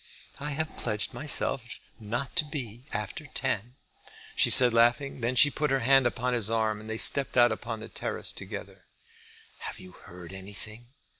"I have pledged myself not to be after ten," she said, laughing. Then she put her hand upon his arm, and they stepped out upon the terrace together. "Have you heard anything?"